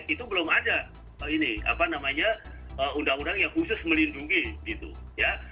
itu belum ada ini apa namanya undang undang yang khusus melindungi gitu ya